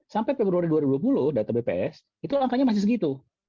sampai februari dua ribu dua puluh data bps itu angkanya masih segitu